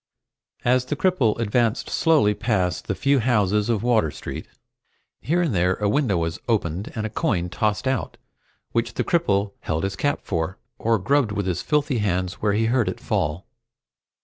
As the cripple advanced slowly past the few houses of Water Street, here and there a window was opened and a coin tossed out, which the cripple held his cap for, or grubbed with his filthy hands where he heard it fall.